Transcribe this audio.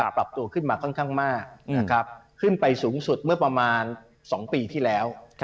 ปรับตัวขึ้นมาค่อนข้างมากขึ้นไปสูงสุดเมื่อประมาณ๒ปีที่แล้ว